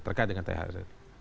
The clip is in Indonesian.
terkait dengan thz